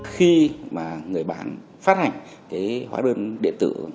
khi mà người bán phát hành cái hóa đơn điện tử